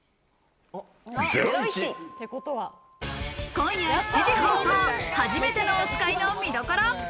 今夜７時放送『はじめてのおつかい』の見どころ。